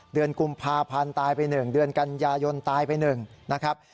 เดือนกุมภาพันธ์ตายไป๑เดือนกันยายนตายไป๑นะครับ